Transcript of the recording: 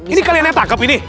ini kalian yang tangkap ini